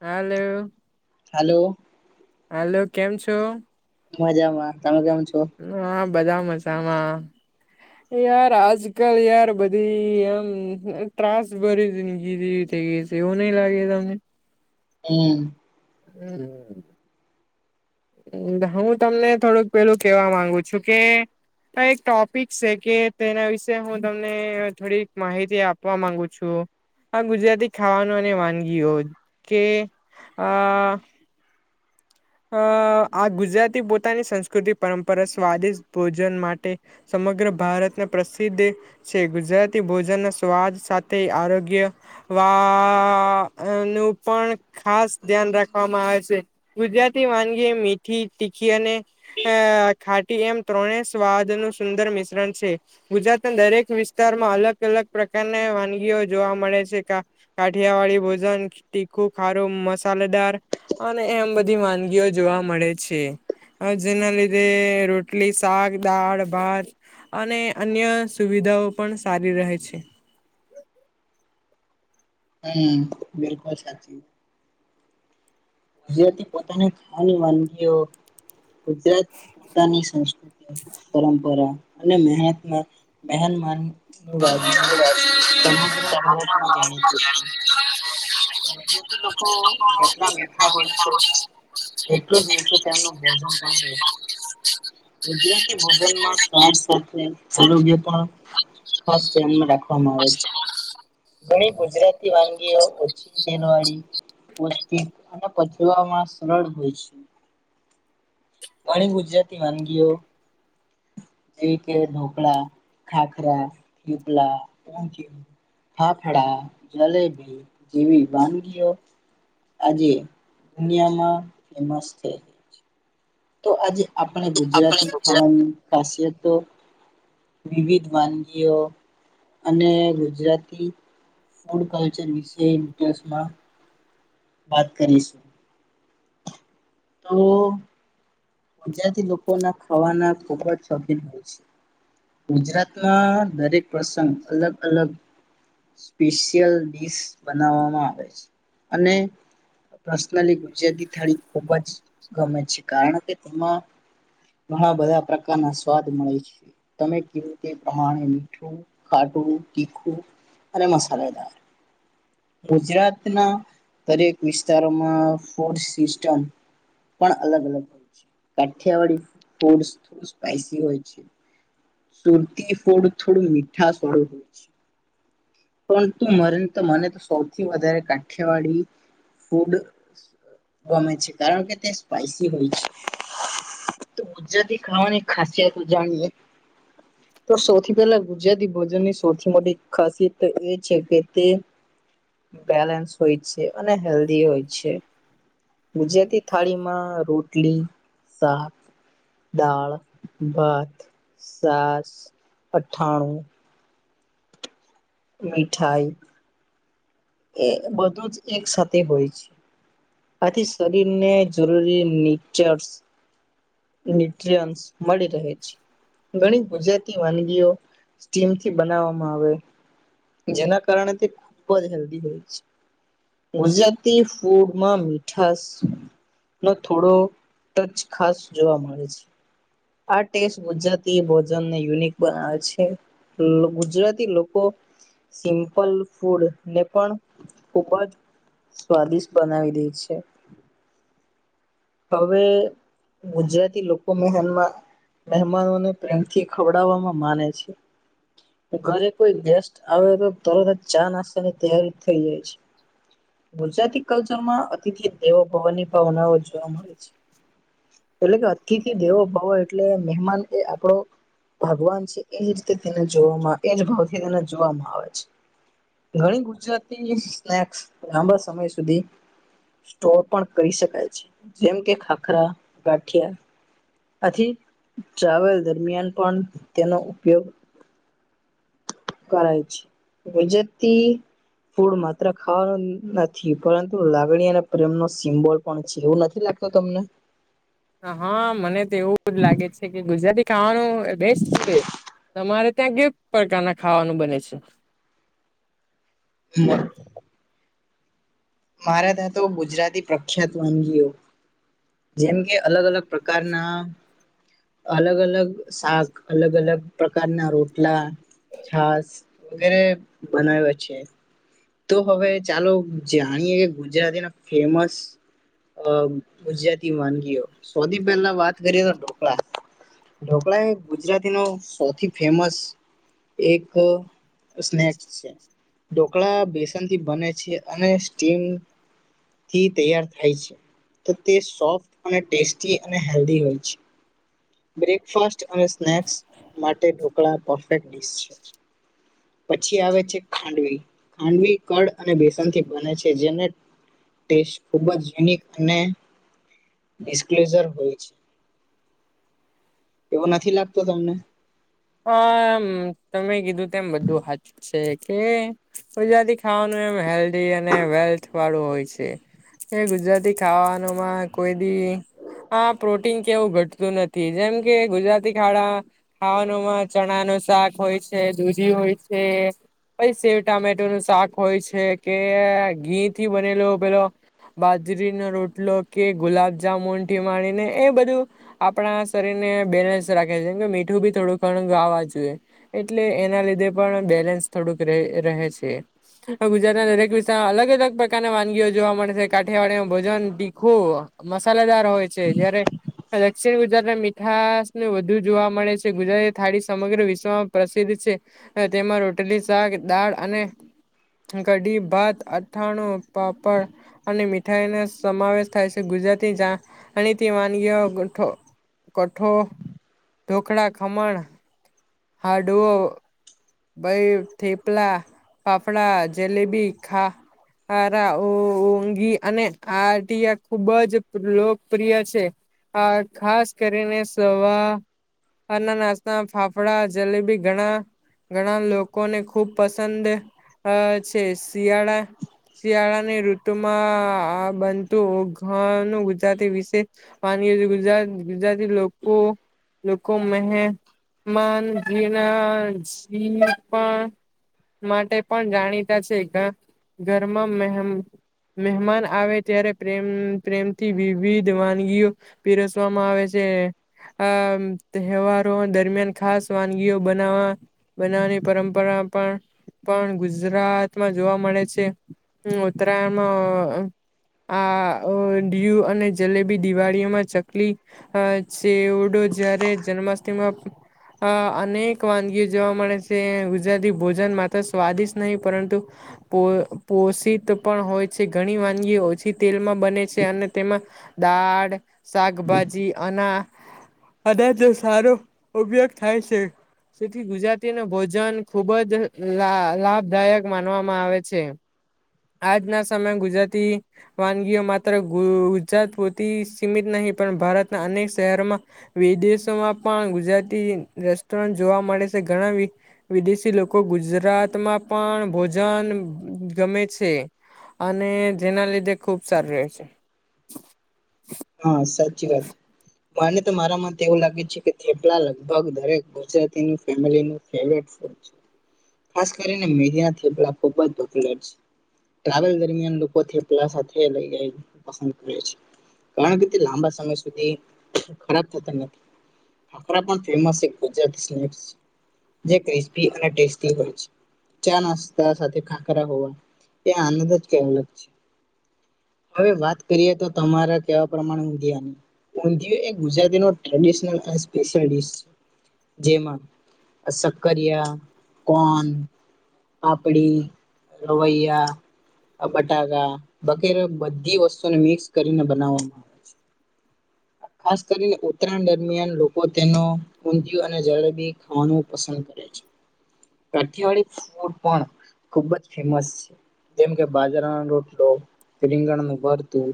હાલો. Hello. Hello, કેમ છો? મજામાં. તમે કેમ છો? હા બધા મજામાં. યાર આજકાલ યાર બધી એમ ત્રાસ ભરી જિંદગી જેવી થઈ ગઈ. તેવું નહીં લાગે તમને? હમ. હમ. હું તમને થોડુંક પેલું કેવા માંગુ છું કે આ એક ટોપિક છે કે તેના વિશે હું તમને થોડીક માહિતી આપવા માંગુ છું. આ ગુજરાતી ખાવાનો ને વાનગીઓ કે આ અ આ ગુજરાતી પોતાની સંસ્કૃતિ પરંપરા સ્વાદિષ્ટ ભોજન માટે સમગ્ર ભારતને પ્રસિદ્ધ છે. ગુજરાતી ભોજનના સ્વાદ સાથે આરોગ્ય વા નું પણ ખાસ ધ્યાન રાખવામાં આવે છે. ગુજરાતી વાનગી મીઠી, તીખી અને અ ખાટી એમ ત્રણે સ્વાદનું સુંદર મિશ્રણ છે. ગુજરાતના દરેક વિસ્તારમાં અલગ અલગ પ્રકારની વાનગીઓ જોવા મળે છે. કા કાઠિયાવાળી ભોજન, તીખું, ખારું, મસાલેદાર અને એમ બધી વાનગી જોવા મળે છે. અ જેના લીધે રોટલી, શાક, દાળ, ભાત. અને અન્ય સુવિધાઓ પણ સારી રહે છે. હમ બિલકુલ સાચી વાત. જેથી પોતાની ખાવાની વાનગીઓ ગુજરાત પોતાની સંસ્કૃતિ, પરંપરા અને મહેતમાં મેહન માન બાજીનું સમગ્ર ભારતમાં જાણીતું છે. ગુજરાતી લોકો જેટલા મીઠા હોય છે [inaudible] એટલું જ મીઠું તેમનું ભોજન પણ હોય છે. ગુજરાતી ભોજનમાં સ્વાદ સાથે આરોગ્ય પણ ખાસ ધ્યાનમાં રાખવામાં આવે છે. ઘણી ગુજરાતી વાનગીઓ ઓછી તેલવાળી, પૌષ્ટિક અને પચવામાં સરળ હોય છે. ઘણી ગુજરાતી વાનગીઓ જેવી કે ઢોકળા, ખાખરા, થેપલા, ઊંધિયું. ફાફડા, જલેબી જેવી વાનગીઓ આજે દુનિયામાં ફેમસ છે. ગઈ તો આજે આપણે ગુજરાતી આપણે ખાવાની ખાસિયતો વિવિધ વાનગીઓ અને ગુજરાતી ફૂડ કલ્ચર વિશે ઇન્ટસમાં વાત કરીશું. તો ગુજરાતી લોકો ના ખાવાના ખૂબ જ શોખીન હોય છે. ગુજરાતમાં દરેક પ્રસંગ અલગ અલગ સ્પેશિયલ ડિશ બનાવવામાં આવે છે. અને પર્સનલી ગુજરાતી થાળી ખૂબ જ ગમે છે. કારણ કે તેમાં ઘણા બધા પ્રકારના સ્વાદ મળે છે. તમે કયો તે પ્રમાણે મીઠું ખાટું, તીખું અને મસાલેદાર. ગુજરાતના દરેક વિસ્તારોમાં ફૂડ સિસ્ટમ પણ અલગ અલગ હોય છે. કાઠિયાવાળી ફૂડ સ્પેયસી હોય છે. સુર્તી ફુડ થોડું મીઠાશ વાળુ હોય છે. પરંતુ મરણ તો મને તો સૌથી વધારે કાઠિયાવાળી ફૂડ ગમે છે, કારણ કે તે સ્પાઈસી હોય છે. તો ગુજરાતી ખાવાની ખાસિયતું જાણીએ. તો સૌથી પહેલા ગુજરાતી ભોજનની સૌથી મોટી ખાસિયત. તો એ છે કે તે. બેલેન્સ હોય છે અને હેલ્દી હોય છે. ગુજરાતી થાળી માં રોટલી શાક. દાળ ભાત સાસ અથાણું. મીઠાઈ. એ બધું જ એક સાથે હોય છે. આથી શરીરને જરૂરી નીચર્સ. ન્યુટયન્સ મળી રહે છે. ઘણી ગુજરાતી વાનગીઓ સ્ટીમથી બનાવવામાં આવે. જેના કારણે તે ખૂબ જ હેલ્ધી હોય છે. ગુજરાતી ફૂડમાં મીઠાસ. નો થોડો ટચ ખાસ જોવા મળે છે. આ ટેસ્ટ ગુજરાતી ભોજનને યુનિક બનાવે છે. ગુજરાતી લોકો. સિમ્પલ ફૂડ ને પણ ખૂબ જ. સ્વાદિષ્ટ બનાવી દે છે. હવે ગુજરાતી લોકો મહેનમાં. મહેમાનોને પ્રેમથી ખવડાવવામાં માને છે. ઘરે કોઈ ગેસ્ટ આવે તો તરત જ ચા નાસ્તાની તૈયારી થઇ જાય છે. ગુજરાતી કલ્ચર માં અતિથિ દેવો ભવનની ભાવનાઓ. અમારે છે. એટલે કે અતીથી દેવો ભવ એટલે મહેમાન એ આપડો. ભગવાન છે એજ રીતે તેને જોવામાં આવે એજ ભાવ થી તેને જોવામાં આવે છે. ઘણી ગુજરાતી સ્નેક્સ લાંબા સમય સુધી. સ્ટોર પણ કરી શકાય છે જેમ કે ખાખરા ગાઠિયા. આથી ટ્રાવેલ દરમિયાન પણ તેનો ઉપયોગ. કરાય છે વજેતિ. ફૂડ માત્ર ખાવાનું નથી પરંતુ લાગણી અને પ્રેમ નો સિમ્બોલ પણ છે એવું નથી લાગત. તો તમને. હા મને તો એવું જ લાગે છે કે ગુજરાતી ખાવાનું બેસ્ટ છે. તમારે ત્યાં ગિવ પ્રકારના ખાવાનું બને છે. [unintelligible] મારા ત્યાં તો ગુજરાતી પ્રખ્યાત વાનગીઓ. જેમ કે અલગ અલગ પ્રકારના. અલગ અલગ શાક અલગ અલગ પ્રકારના રોટલા. છાસ વગેરે બનાવે છે. તો હવે ચાલો જાણીએે કે ગુજરાતી ના ફેમસ. અ ગુજરાતી વાનગીઓ સૌથી પહેલા વાત કરીએ તો ઢોકળા. ઢોકળા એ ગુજરાતી નો સૌથી ફેમસ. એક સ્નેક્સ છે. ઢોકળા બેસનથી બને છે અને સ્ટીમ થી તૈયાર થાય છે. તો તે સોફ્ટ અને ટેસ્ટી અને હેલ્ધી હોય છે. બ્રેકફાસ્ટ અને સ્નેક્સ માટે ઢોકળા પરફેક્ટ ડિશ છે. પછી આવે છે ખાંડવી ખાંડવી કળ અને બેસનથી બને છે જેને. ટેસ્ટ ખૂબ જ યુનિક અને એક્સ્ક્યુઝર હોય છે. એવુ નથી લાગતું તમને. હમ તમે કીધું તેમ બધું હાચૂ છે કે. ગુજરાતી ખાવાનું એમ હેલ્ધી અને વેલ્થ વાળું હોય છે. એ ગુજરાતી ખાવાનું માં કોઈ દી આ પ્રોટીન કેવું ઘટતું નથી જેમ કે ગુજરાતી ખાડા હા. નો માં ચણા નું શાક હોય છે દૂધી હોય છે. પાઇ શેવ ટામેટો નું શાક હોય છે કે ઘી થી બનેલો પેલો બાજરીનો રોટલો કે ગુલાબજામુન થી માડીને એ બધું આપણા શરીર ને બેલેન્સ રાખે છે કે મીઠું બી થોડુંક પણ [unintelligible] જોઈએ એટલે એના લીધે પણ બેલેન્સ થોડુંક રહે રહે છે. ઓ ગુજરાત ના દરેક વિસ્તમાં અલગ અલગ પ્રકારના વાનગીઓ જોવા મળે છે કાઠિયાવાડીયામાં ભોજન તીખું મસાલેદાર હોય છે જયારે દક્ષિણ ગુજરાત ના મીઠાસ નું વધુ જોવા મળે છે ગુજરાત થાળી સમગ્ર વિશ્વમાં પ્રસિદ્ધ છે તેમાં રોટલી શાક દાળ અને કાઢી ભત અઠાણું પાપડ અને મીઠાઈ ને સમાવેશ થાય છે ગુજરાતી જા જાણીતી વાનગી ઓ ગોઠો કઠો ઢોકળા ખમણ [unintelligible] બહી થેપલા ફાફડા જલેબી ખા આર ઓ ઓંગી અને આટીયા ખુબ જ લોકપ્રિય છે. ખા ખાસ કરીને સવા સવાર ન નાસ્તા માં ફાફડા જલેબી ઘણા ઘણા લોકોને ખુબ પસંદ આ છે શિયાળા શિયાળાની ઋતુમાં આ બનતું ઘું ગુજરાતી વિશે પાની ગુજરાત ગુજરાત તી લોકો લોકો મહે માન ઘીણા [unintelligible] પણ માટે પણ જાણીતા છે ઘ ઘર માં મહેમા મહેમાન આવે ત્યારે પ્રમ પ્રેમથી વિવિધ વાનગીઓ પીરસવામાં આવે છે. આમ તહેવારો દરમિયાન ખાસ વાનગીઓ બનાવા બનાવાની પરંપરા પણ પણ ગુજરાતમાં જોવા મળે છે. હુ ઉતરાયણ માં આ આ [unintelligible] અને જલેબી દિવાળીમાં ચકલી અ ચેવુડો જારે જન્માષ્ટમીમાં આ અનેક વાનગીઓ જોવા મળે છે ગુજરાતી ભોજન માત્ર સ્વાદિશ નહી પરંતુ પો પોષિત પણ હોય છે ઘણી વાનગી ઓછી તેલમાં બને છે અને તેમાં દાળ શાકભાજી અના બદાચ સારો ઉપયોગ થાય છે. થી ગુજરાતી નો ભોજન ખુબ જ લ લાભદાયક માનવામાં આવે છે. આજ ના સમય ગુજરાતી વાનગીઓ માત્ર ગુ ગુજરાત પૂરતી સીમિત નહી પણ ભારતના અનેક શહેરોમાં વિદેશોમાં પણ ગુજરાતી રેસ્ટોરન્ટ જોવા મળે છે ઘણા વિ વિદેશી લોકો ગુજરાતમાં પણ ભોજન ગમે છે. છે અને જેના લીધે ખુબ સારું રહે છે. હા સાચી વાત. મને તો મારા માટે એવું લાગે છે કેપલા લગભગ દરેક ગુજરાતી ફેમલી નું ફેવરેટ છે. ખાસ કરીને [unintelligible] થેપલા ખૂબ જ દુખલર છે. ટ્રાવેલ દરમિયાન લોકો થેપલા સાથે લઇ જાય પસંદ કરે છે. કારણ કે તે લાંબા સમય સુધી ખરાબ થતા નથી. ભખરા પણ ફેમસ એક ગુજરાતી [unintelligible] ક્રિસ્પી અને ટેસ્ટી હોય છે. ચા નાસ્તા સાથે ખાખરા હોવા એ આનંદ જ કંઈક અલગ છે. હવે વાત કરીએ તો તમારા કેવા પ્રમાણે ઊંધીયાની. ઊંધિયું એ ગુજરાતીનો ટ્રેડિશનલ અને સ્પેશિયલ ડિશ છે. જેમાં શક્કરિયા, કોન. પાપડી, રવૈયા. અ બટાકા વગેરે બધી વસ્તુને મિક્સ કરીને બનાવવામાં આવે છે. ખાસ કરીને ઉત્તરાયણ દરમિયાન લોકો તેનો ઊંધિયું અને જલેબી ખાવાનું પસંદ કરે છે. કાઠીયાવાડી ફૂડ પણ ખુબ જ ફેમસ છે. જેમ કે બાજરાનો રોટલો, રીંગણનું ભરથું,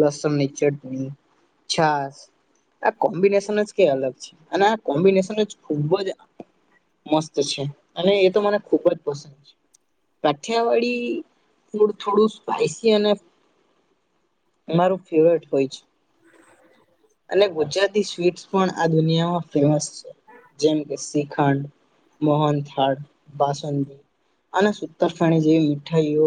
લસ ન ચટણી, છાસ આ કોમ્બિનેશન જ કે અલગ અને આ કોમ્બિનેશન જ ખુબ જ મસ્ત છે. અને એ તો મને ખુબ જ પસંદ છે. કાઠિયાવાળી ફૂડ થોડું સ્પાઈસી અને મારું ફેવરેટ હોય છે. અને ગુજરાતી સ્વીટ્ પણ આ દુનિયામાં ફેમસ છે. જેમ કે શ્રીખંડ મોહનથાળ, બાસુંદી અને સુતરફેણી જેવી મીઠાઈઓ.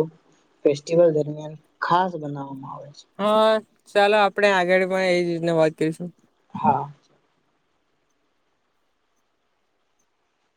ફેસ્ટિવલ દરમિયાન ખાસ બનાવવામાં આવે છે. હા ચાલો આપણેે આગળ પણ એ જ રીતના વાત કરીશું. હા